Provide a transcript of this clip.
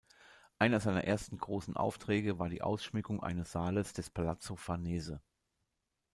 Einer seiner ersten großen Aufträge war die Ausschmückung eines Saales des Palazzo Farnese.